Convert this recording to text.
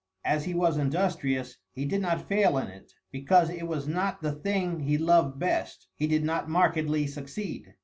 As he was industrious, he did not fail in it; because it was not the thing he loved best, he did not markedly succeed.